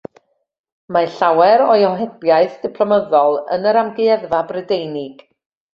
Mae llawer o'i ohebiaeth ddiplomyddol yn yr Amgueddfa Brydeinig.